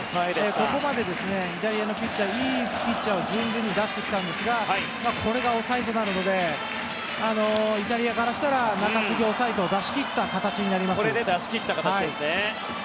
ここまでイタリアのピッチャーはいいピッチャーを順々に出してきましたがこれが抑えとなるのでイタリアからしたら中継ぎ、抑えと出しきった形になります。